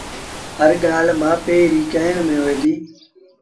هر ڳآل ميݩ مآ پي ري ڪهيڻ ميݩ هوئي دو